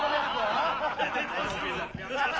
あっ。